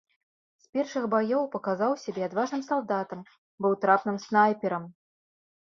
З першых баёў паказаў сябе адважным салдатам, быў трапным снайперам.